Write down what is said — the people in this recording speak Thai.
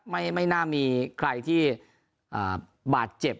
ไม่น่ามีใครที่บาดเจ็บ